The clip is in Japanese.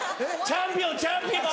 チャンピオンチャンピオン！